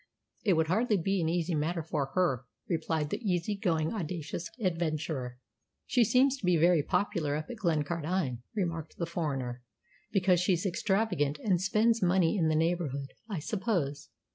"It would hardly be an easy matter for her," replied the easy going, audacious adventurer. "She seems to be very popular up at Glencardine," remarked the foreigner, "because she's extravagant and spends money in the neighbourhood, I suppose.